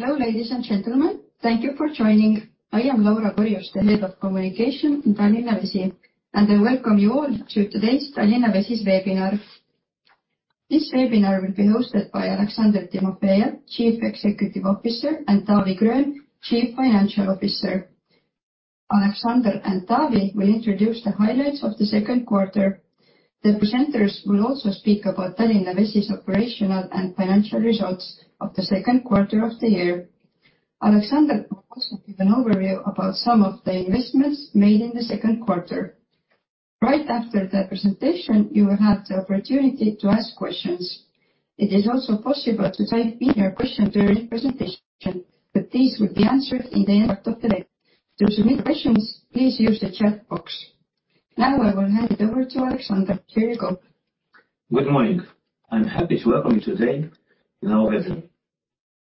Hello, ladies and gentlemen. Thank you for joining. I am Laura Korjus, Head of Communication in Tallinna Vesi, and I welcome you all to today's Tallinna Vesi's webinar. This webinar will be hosted by Aleksandr Timofejev, Chief Executive Officer, and Taavi Gröön, Chief Financial Officer. Aleksandr and Taavi will introduce the highlights of the second quarter. The presenters will also speak about Tallinna Vesi's operational and financial results of the second quarter of the year. Aleksandr will also give an overview about some of the investments made in the second quarter. Right after the presentation, you will have the opportunity to ask questions. It is also possible to type in your question during presentation, but these will be answered in the end of the day. To submit questions, please use the chat box. Now I will hand it over to Aleksandr. Here you go. Good morning. I'm happy to welcome you today in our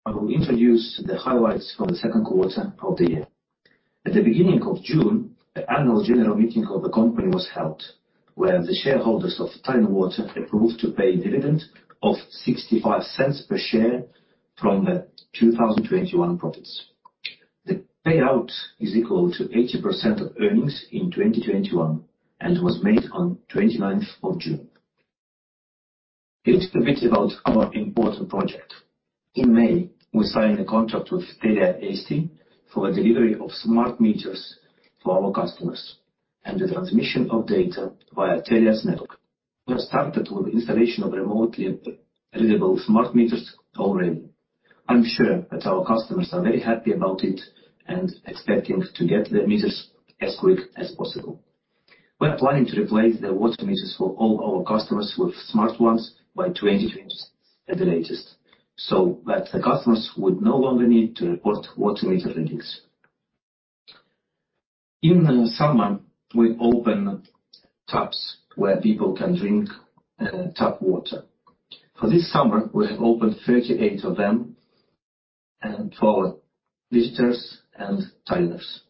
webinar. I will introduce the highlights from the second quarter of the year. At the beginning of June, the annual general meeting of the company was held, where the shareholders of Tallinn Water approved to pay dividend of 0.65 per share from the 2021 profits. The payout is equal to 80% of earnings in 2021, and was made on 29th of June. A little bit about our important project. In May, we signed a contract with Telia Eesti for the delivery of smart meters for our customers and the transmission of data via Telia's network. We have started with installation of remotely available smart meters already. I'm sure that our customers are very happy about it and expecting to get their meters as quick as possible. We are planning to replace the water meters for all our customers with smart ones by 2023 at the latest, so that the customers would no longer need to report water meter readings. In the summer, we open taps where people can drink tap water. For this summer, we have opened 38 of them and for our visitors and Tallinners.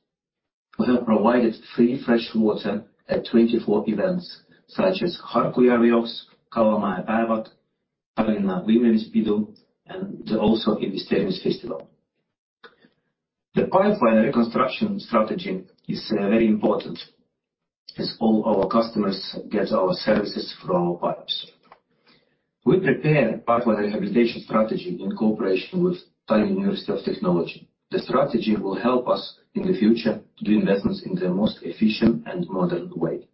We have provided free fresh water at 24 events such as Harku Järvejooks, Kalamaja Päevad, Tallinna Naistepäev and also in Mysterium Festival. The pipeline reconstruction strategy is very important as all our customers get our services from our pipes. We prepare pipeline rehabilitation strategy in cooperation with Tallinn University of Technology. The strategy will help us in the future do investments in the most efficient and modern way.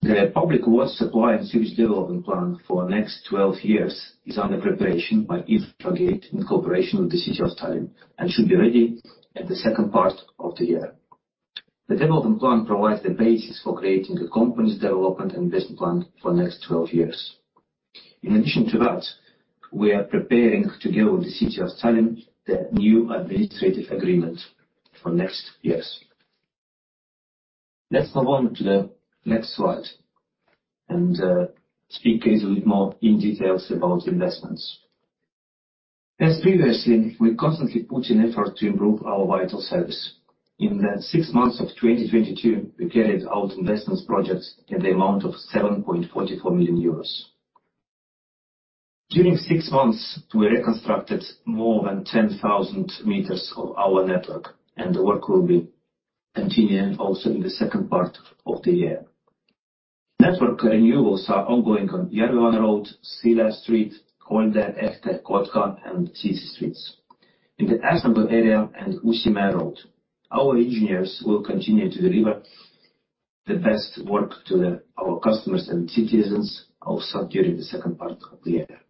The public water supply and sewage development plan for next 12 years is under preparation by Infragate in cooperation with the City of Tallinn and should be ready in the second part of the year. The development plan provides the basis for creating a company's development and investment plan for next 12 years. In addition to that, we are preparing together with the City of Tallinn the new administrative agreement for next years. Let's move on to the next slide and speak a little bit more in detail about investments. As previously, we constantly put in effort to improve our vital service. In the six months of 2022, we carried out investment projects in the amount of 7.44 million euros. During six months, we reconstructed more than 10,000 m of our network and the work will be continuing also in the second part of the year. Network renewals are ongoing on Järvevana Road, Silla Street, Kolde, Ehte, Kotka and Sitsi. In the Astangu area and Uus Maa Road, our engineers will continue to deliver the best work to our customers and citizens also during the second part of the year.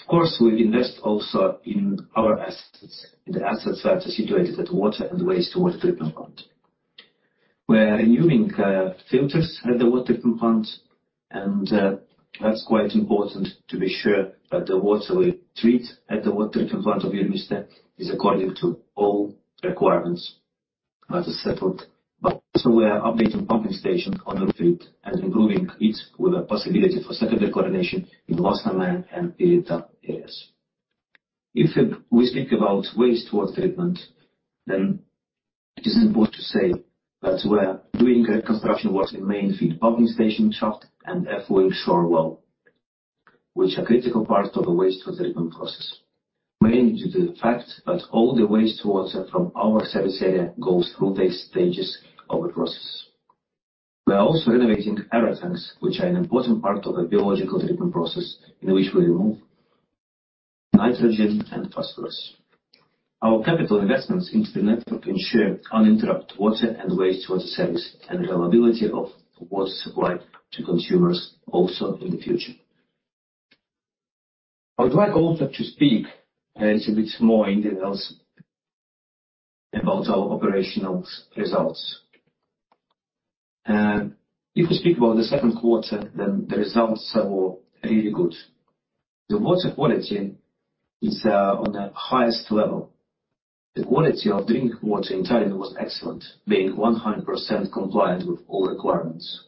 Of course, we invest also in our assets. The assets that are situated at water and wastewater treatment plant. We're renewing filters at the water treatment plant and that's quite important to be sure that the water we treat at the water treatment plant of Järveste is according to all requirements that is settled. Also we are updating pumping station on the field and improving it with a possibility for secondary chlorination in Lasnamäe and Pirita areas. If we speak about wastewater treatment, then it is important to say that we're doing construction work in Main Feed pumping station shaft and effluent shore well, which are critical parts of the wastewater treatment process, mainly due to the fact that all the wastewater from our service area goes through these stages of the process. We are also renovating aeration tanks which are an important part of the biological treatment process in which we remove nitrogen and phosphorus. Our capital investments into the network ensure uninterrupted water and wastewater service and availability of water supply to consumers also in the future. I would like also to speak a little bit more in detail about our operational results. If you speak about the second quarter, then the results are all really good. The water quality is on the highest level. The quality of drinking water in Tallinn was excellent, being 100% compliant with all requirements.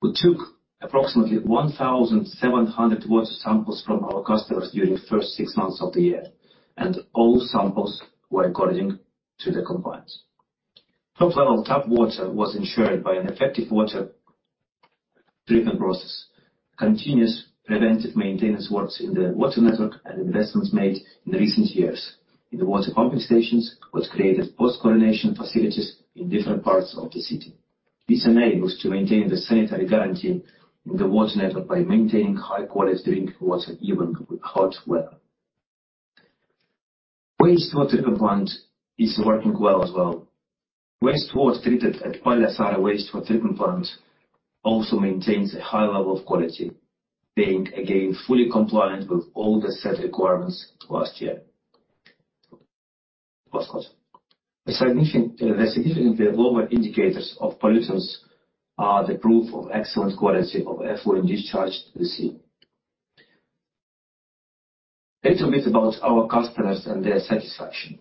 We took approximately 1,700 water samples from our customers during the first six months of the year, and all samples were according to the compliance. Top-level tap water was ensured by an effective water treatment process. Continuous preventive maintenance works in the water network and investments made in recent years in the water pumping stations was created post-chlorination facilities in different parts of the city. This enables to maintain the sanitary guarantee in the water network by maintaining high quality drinking water even with hot weather. Wastewater treatment plant is working well as well. Wastewater treated at Paljassaare Wastewater Treatment Plant also maintains a high level of quality, being again, fully compliant with all the set requirements last year. Last slide. The significantly lower indicators of pollutants are the proof of excellent quality of effluent discharge to the sea. A little bit about our customers and their satisfaction.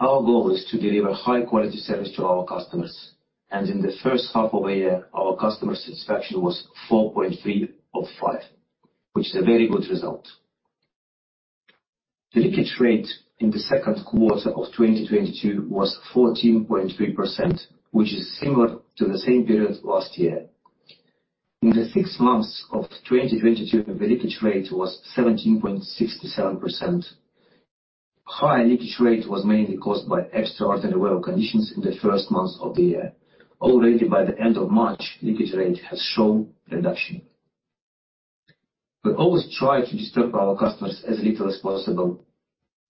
Our goal is to deliver high quality service to our customers. In the first half of a year, our customer satisfaction was 4.3 out of five, which is a very good result. The leakage rate in the second quarter of 2022 was 14.3%, which is similar to the same period last year. In the six months of 2022, the leakage rate was 17.67%. High leakage rate was mainly caused by extraordinary weather conditions in the first months of the year. Already, by the end of March, leakage rate has shown reduction. We always try to disturb our customers as little as possible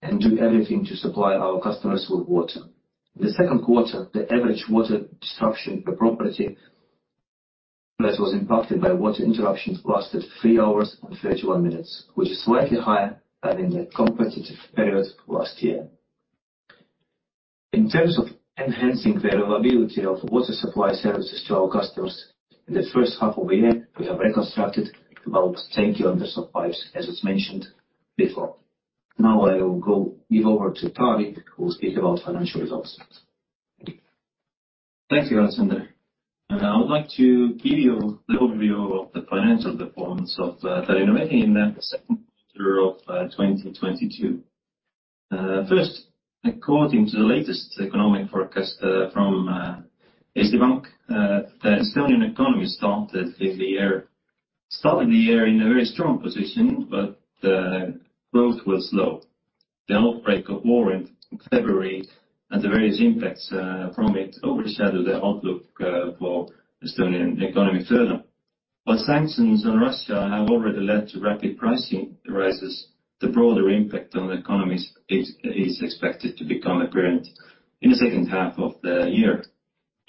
and do everything to supply our customers with water. The second quarter, the average water disruption per property that was impacted by water interruptions lasted three hours and 31 minutes, which is slightly higher than in the comparative period last year. In terms of enhancing the reliability of water supply services to our customers, in the first half of the year, we have reconstructed about 10 km of pipes, as was mentioned before. Now I will hand over to Taavi, who will speak about financial results. Thank you, Aleksandr. I would like to give you the overview of the financial performance of Tallinna Vesi in the second quarter of 2022. First, according to the latest economic forecast from SEB Bank, the Estonian economy started the year in a very strong position, but the growth was slow. The outbreak of war in February and the various impacts from it overshadow the outlook for Estonian economy further. While sanctions on Russia have already led to rapid pricing rises, the broader impact on the economies is expected to become apparent in the second half of the year.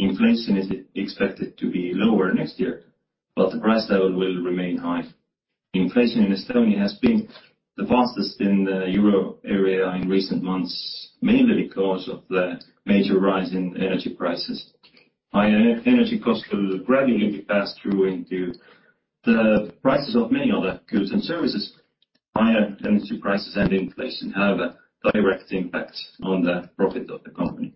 Inflation is expected to be lower next year, but the price level will remain high. Inflation in Estonia has been the fastest in the euro area in recent months, mainly because of the major rise in energy prices. Higher energy costs will gradually be passed through into the prices of many other goods and services. Higher energy prices and inflation have a direct impact on the profit of the company.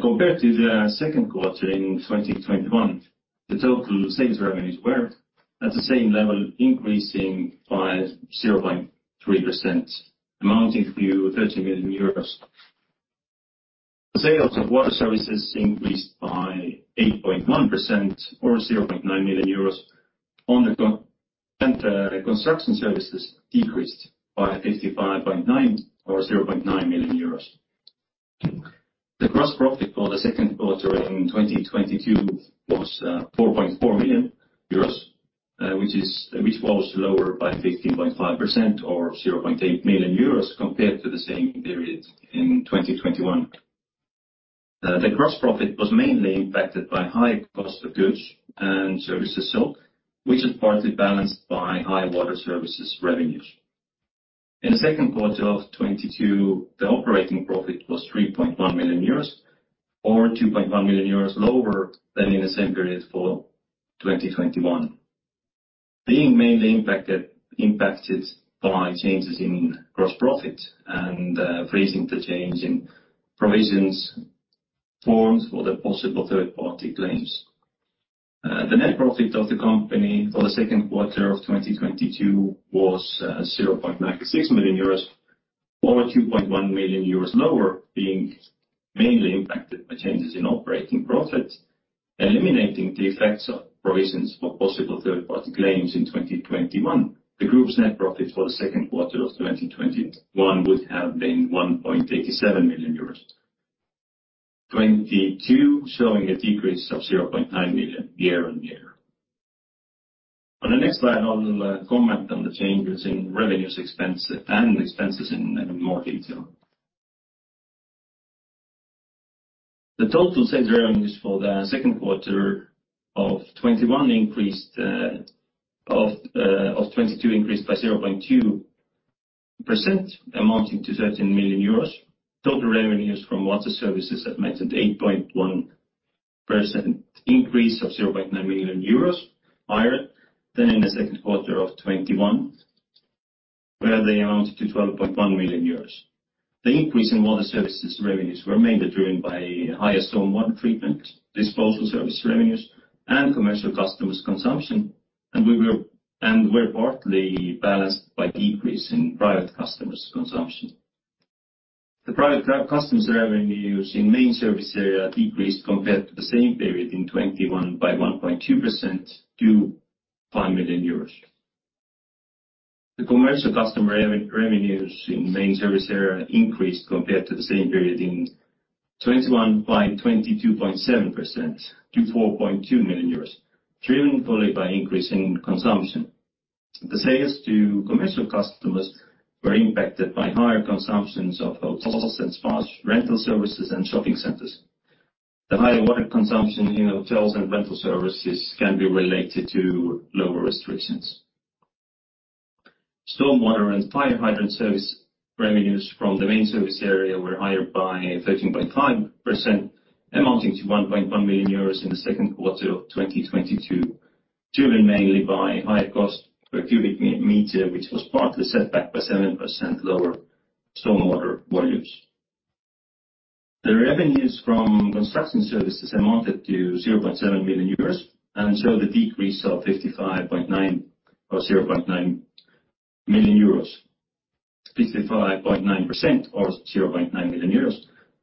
Compared to the second quarter in 2021, the total sales revenues were at the same level, increasing by 0.3%, amounting to 13 million euros. The sales of water services increased by 8.1% or 0.9 million euros, and construction services decreased by 55.9% or 0.9 million euros. The gross profit for the second quarter in 2022 was 4.4 million euros, which was lower by 15.5% or 0.8 million euros compared to the same period in 2021. The gross profit was mainly impacted by high cost of goods and services sold, which is partly balanced by high water services revenues. In the second quarter of 2022, the operating profit was 3.1 million euros or 2.1 million euros lower than in the same period for 2021. Being mainly impacted by changes in gross profit and the change in provisions for possible third-party claims. The net profit of the company for the second quarter of 2022 was 0.96 million euros or 2.1 million euros lower, being mainly impacted by changes in operating profit. Eliminating the effects of provisions for possible third-party claims in 2021, the group's net profit for the second quarter of 2021 would have been 1.87 million euros. 2022 showing a decrease of 0.9 million year-on-year. On the next slide, I'll comment on the changes in revenues, expense and expenses in more detail. The total sales revenues for the second quarter of 2022 increased by 0.2%, amounting to 13 million euros. Total revenues from water services had an 8.1% increase of 0.9 million euros, higher than in the second quarter of 2021, where they amounted to 12.1 million euros. The increase in water services revenues were mainly driven by higher stormwater treatment disposal service revenues, and commercial customers consumption, and were partly balanced by decrease in private customers consumption. The private customers' revenues in main service area decreased compared to the same period in 2021 by 1.2% to 5 million euros. The commercial customer revenues in main service area increased compared to the same period in 2021 by 22.7% to 4.2 million euros, driven fully by increase in consumption. The sales to commercial customers were impacted by higher consumptions of hotels and spas, rental services, and shopping centers. The higher water consumption in hotels and rental services can be related to lower restrictions. Stormwater and fire hydrant service revenues from the main service area were higher by 13.5%, amounting to 1.1 million euros in the second quarter of 2022, driven mainly by higher cost per cubic meter, which was partly offset by 7% lower stormwater volumes. The revenues from construction services amounted to 0.7 million euros, and showed a decrease of 55.9%, or 0.9 million euros. 55.9% or 0.9 million euros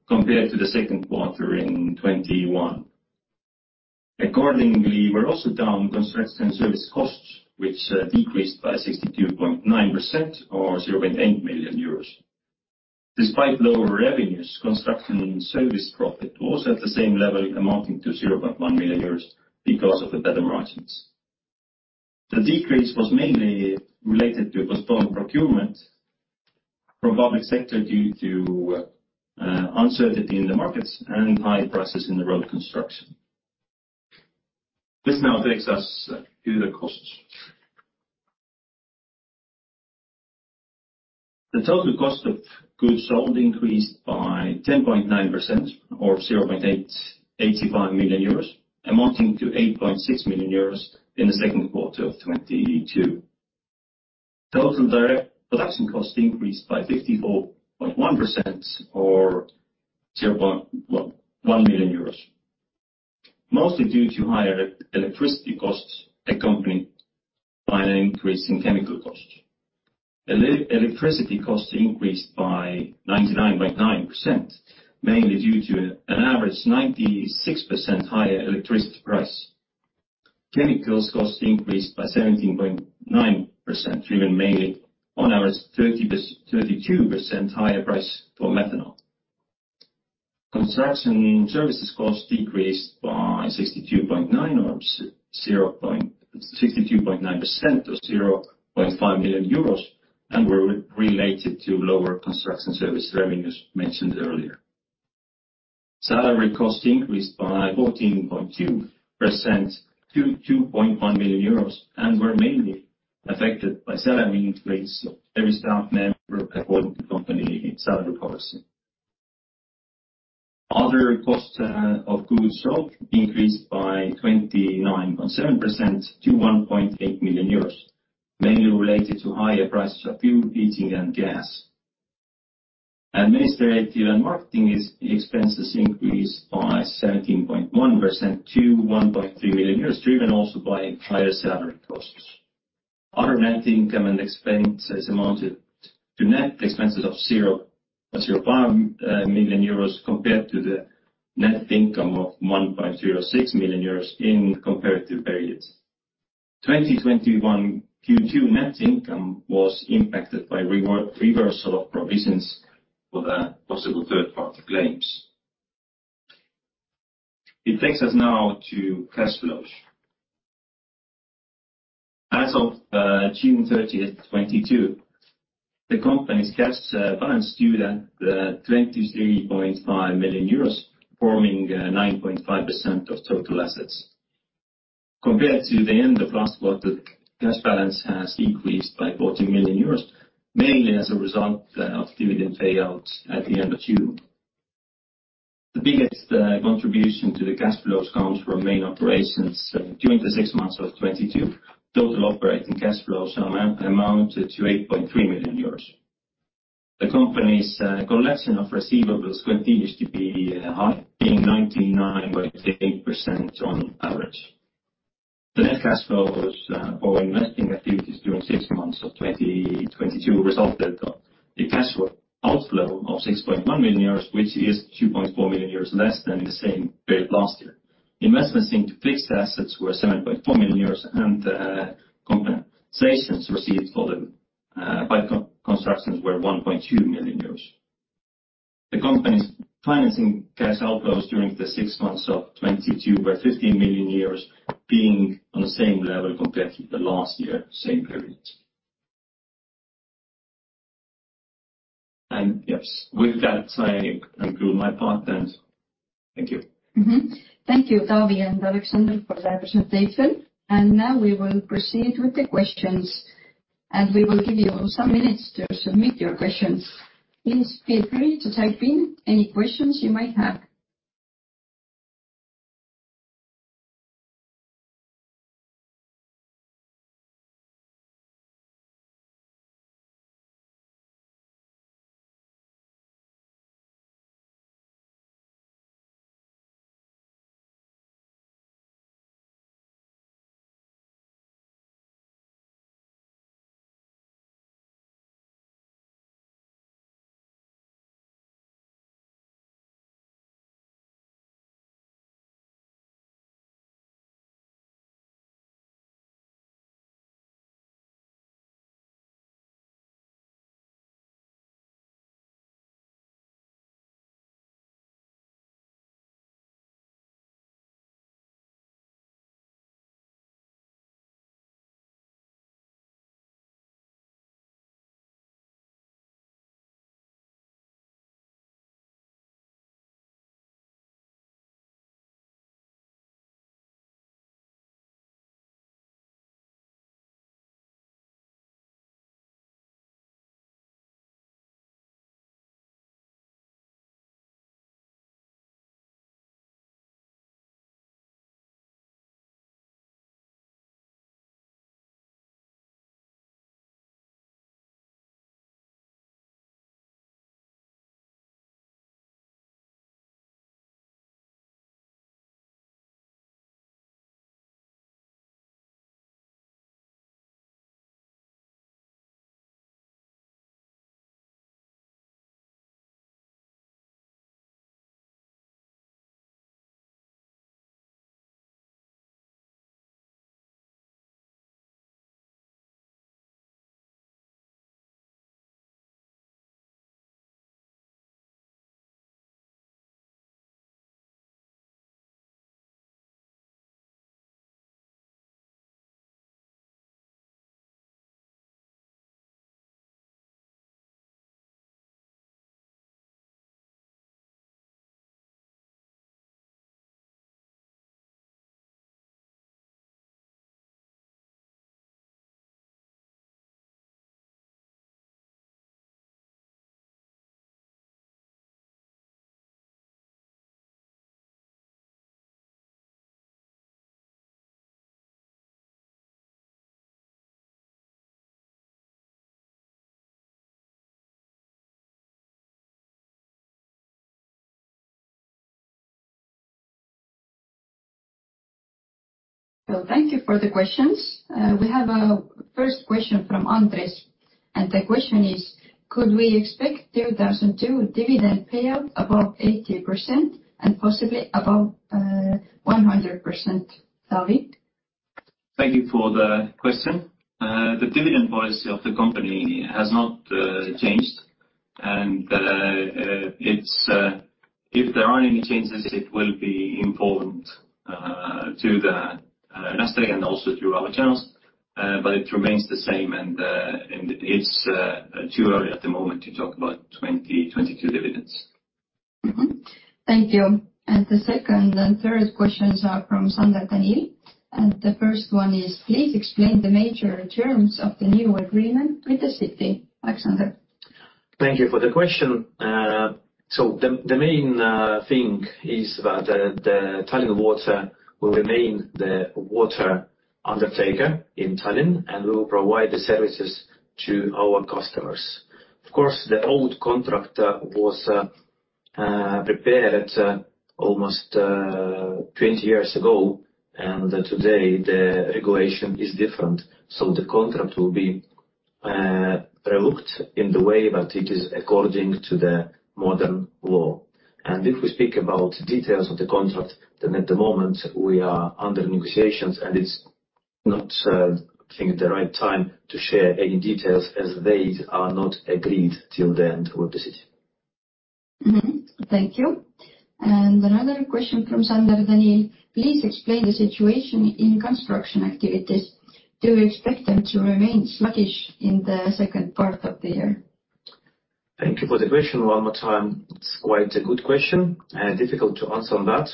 compared to the second quarter of 2021. Accordingly, we're also down construction service costs, which decreased by 62.9% or 0.8 million euros. Despite lower revenues, construction service profit was at the same level, amounting to 0.1 million euros because of the better margins. The decrease was mainly related to postponed procurement from public sector due to uncertainty in the markets and high prices in the road construction. This now takes us to the costs. The total cost of goods sold increased by 10.9% or 0.85 million euros, amounting to 8.6 million euros in the second quarter of 2022. Total direct production costs increased by 54.1% or 0.11 million euros, mostly due to higher electricity costs accompanied by an increase in chemical costs. Electricity costs increased by 99.9%, mainly due to an average 96% higher electricity price. Chemical costs increased by 17.9%, driven mainly by an average 32% higher price for methanol. Construction services costs decreased by 62.9% or 0.5 million euros, and were related to lower construction service revenues mentioned earlier. Salary costs increased by 14.2% to 2.1 million euros, and were mainly affected by salary increase of every staff member according to company salary policy. Other costs of goods sold increased by 29.7% to 1.8 million euros, mainly related to higher prices of fuel, heating, and gas. Administrative and marketing expenses increased by 17.1% to 1.3 million euros, driven also by higher salary costs. Other net income and expenses amounted to net expenses of 0 million euros compared to the net income of 1.06 million euros in comparative periods. 2021 Q2 net income was impacted by reversal of provisions for the possible third party claims. It takes us now to cash flows. As of June 30th, 2022, the company's cash balance stood at 23.5 million euros, forming 9.5% of total assets. Compared to the end of last quarter, cash balance has decreased by 14 million euros, mainly as a result of dividend payouts at the end of Q. The biggest contribution to the cash flows comes from main operations during the six months of 2022. Total operating cash flows amounted to 8.3 million euros. The company's collection of receivables continues to be high, being 99.8% on average. The net cash flows or investing activities during six months of 2022 resulted in a cash flow outflow of 6.1 million euros, which is 2.4 million euros less than the same period last year. Investments into fixed assets were 7.4 million euros and compensations received for the constructions were 1.2 million euros. The company's financing cash outflows during the six months of 2022 were 15 million, being on the same level compared to the last year same period. Yes, with that, I conclude my part and thank you. Thank you, Taavi and Aleksandr for that presentation. Now we will proceed with the questions, and we will give you some minutes to submit your questions. Please feel free to type in any questions you might have. Thank you for the questions. We have a first question from Andres, and the question is, "Could we expect 2022 dividend payout above 80% and possibly above 100%?" Taavi? Thank you for the question. The dividend policy of the company has not changed. If there are any changes, it will be important to the investor and also through other channels. It remains the same and it's too early at the moment to talk about 2022 dividends. Thank you. The second and third questions are from Sander Danil. The first one is, "Please explain the major terms of the new agreement with the city." Aleksandr. Thank you for the question. So the main thing is that the Tallinn Water will remain the water undertaker in Tallinn, and we will provide the services to our customers. Of course, the old contract was prepared almost 20 years ago. Today, the regulation is different, so the contract will be re-looked in the way that it is according to the modern law. If we speak about details of the contract, then at the moment we are under negotiations and it's not, I think, the right time to share any details as they are not agreed till the end with the city. Mm-hmm. Thank you. Another question from Sander Danil, "Please explain the situation in construction activities. Do you expect them to remain sluggish in the second part of the year? Thank you for the question one more time. It's quite a good question, difficult to answer on that.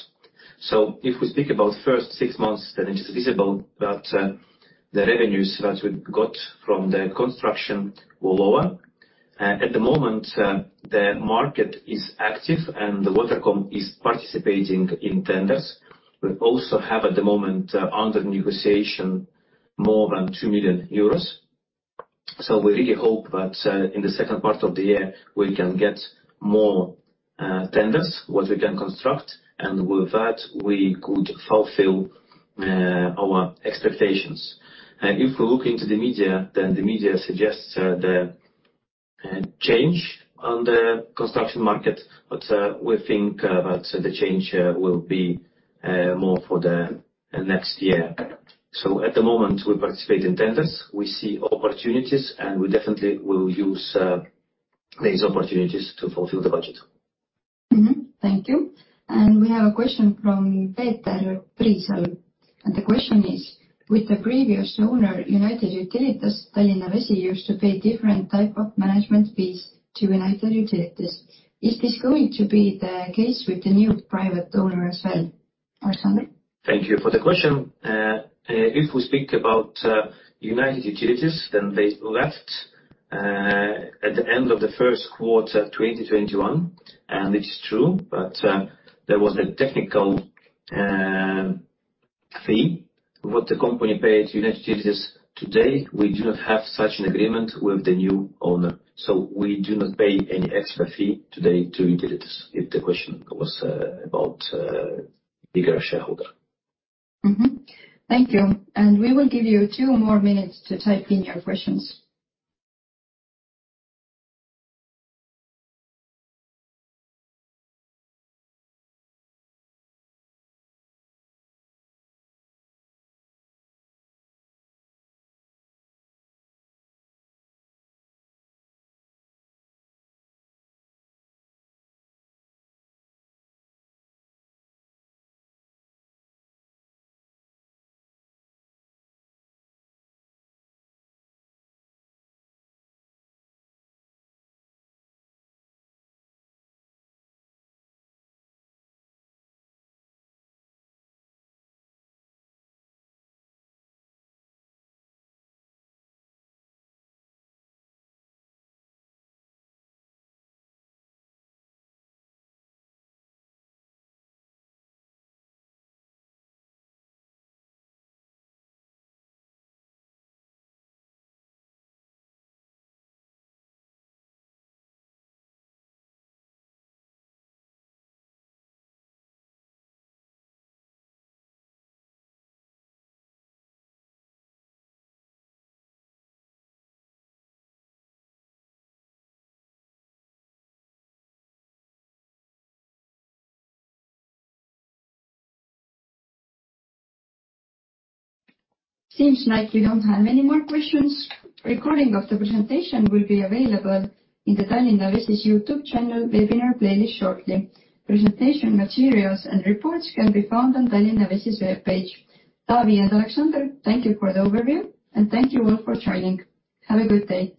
If we speak about first six months, then it is visible that, the revenues that we got from the construction were lower. At the moment, the market is active and the Watercom is participating in tenders. We also have, at the moment, under negotiation more than 2 million euros. We really hope that, in the second part of the year we can get more, tenders, what we can construct, and with that we could fulfill, our expectations. If we look into the media, then the media suggests, the, change on the construction market, but, we think, that the change, will be, more for the, next year. At the moment we participate in tenders. We see opportunities, and we definitely will use these opportunities to fulfill the budget. Thank you. We have a question from Peter Priisalm. The question is, "With the previous owner, United Utilities, Tallinna Vesi used to pay different type of management fees to United Utilities. Is this going to be the case with the new private owner as well?" Aleksandr. Thank you for the question. If we speak about United Utilities, then they left at the end of the first quarter, 2021. It's true, but there was a technical fee that the company paid United Utilities. Today we do not have such an agreement with the new owner, so we do not pay any extra fee today to Utilities, if the question was about bigger shareholder. Thank you. We will give you two more minutes to type in your questions. Seems like we don't have any more questions. Recording of the presentation will be available in the Tallinna Vesi YouTube channel webinar playlist shortly. Presentation materials and reports can be found on Tallinna Vesi's webpage. Taavi and Alexander, thank you for the overview, and thank you all for joining. Have a good day.